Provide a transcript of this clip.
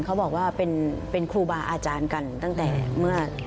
เขาบอกว่าเป็นครูบาอาจารย์กันตั้งแต่เมื่อ